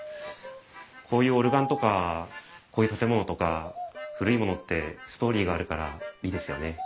こういうオルガンとかこういう建物とか古いものってストーリーがあるからいいですよね。